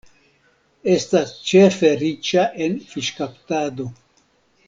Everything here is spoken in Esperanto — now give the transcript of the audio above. Estas ĉefe riĉa en fiŝkaptado.